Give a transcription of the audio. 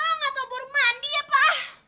nggak tau baru mandi ya pak